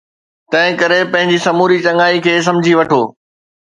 تنهن ڪري پنهنجي سموري چڱائي کي سمجهي وٺو